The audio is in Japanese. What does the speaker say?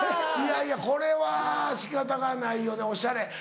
いやいやこれは仕方がないよねおしゃれ。